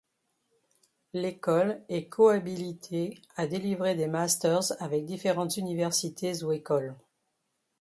L’école est co-habilitée à délivrer des masters avec différentes universités ou écoles.